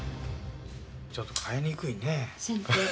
ちょっと変えにくいねえ。